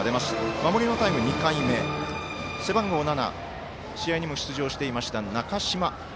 守りのタイム、２回目背番号７、試合にも出場していました